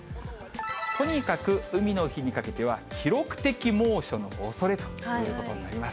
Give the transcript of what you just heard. とにかく海の日にかけては、記録的猛暑のおそれということになります。